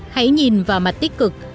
hãy nhìn vào mặt tích cực